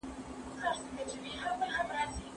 ایا دا اپلیکیشن ستاسو په موبایل کې کار کوي؟